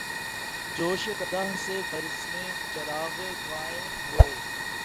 جوشِ قدح سے بزمِ چراغاں کئے ہوئے